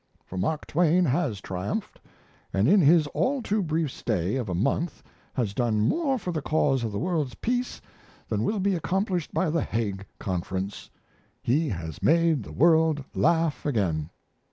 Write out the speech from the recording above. For Mark Twain has triumphed, and in his all too brief stay of a month has done more for the cause of the world's peace than will be accomplished by the Hague Conference. He has made the world laugh again."